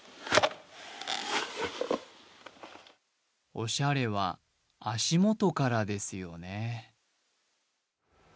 おしゃれは足元からですよね。